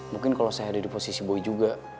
mungkin kalau saya ada di posisi boy juga